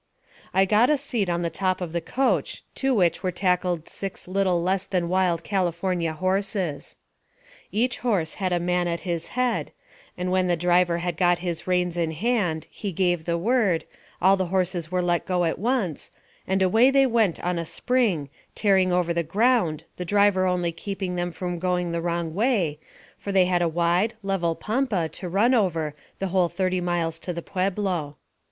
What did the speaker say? I got a seat on the top of the coach, to which were tackled six little less than wild California horses. Each horse had a man at his head, and when the driver had got his reins in hand he gave the word, all the horses were let go at once, and away they went on a spring, tearing over the ground, the driver only keeping them from going the wrong way, for they had a wide, level pampa to run over the whole thirty miles to the Pueblo.